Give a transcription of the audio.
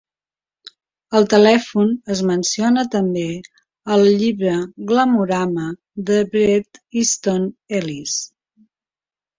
El telèfon es menciona també al llibre "Glamorama" de Bret Easton Ellis.